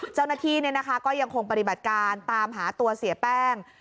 เจ้าหน้าที่ก็ยังคงปฏิบัติการตามหาตัวเสียแป้ง